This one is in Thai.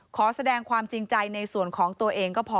ขอแสดงความจริงใจในส่วนของตัวเองก็พอ